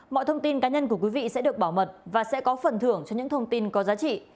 mọi thông tin cá nhân của quý vị sẽ được bảo mật và sẽ có phần thưởng cho những thông tin có giá trị